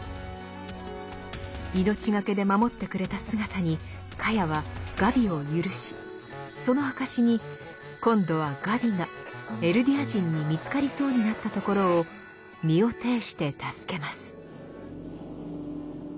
命懸けで守ってくれた姿にカヤはガビを赦しその証しに今度はガビがエルディア人に見つかりそうになったところを身を挺して助けます。